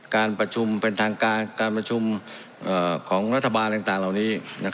การประชุมเป็นทางการการประชุมของรัฐบาลอะไรต่างเหล่านี้